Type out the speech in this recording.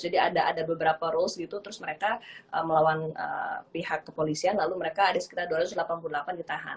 jadi ada beberapa rules gitu terus mereka melawan pihak kepolisian lalu mereka ada sekitar dua ratus delapan puluh delapan ditahan